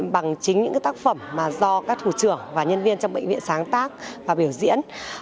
bằng chính những tác phẩm mà do các thủ trưởng và nhân viên trong bệnh viện sáng tác và biểu diễn